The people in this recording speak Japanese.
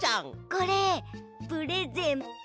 これプレゼント。